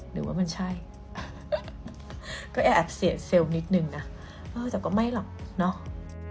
หรือว่ามันใช่ก็แอบเสียเซลล์นิดนึงนะเออแต่ก็ไม่หรอกเนาะ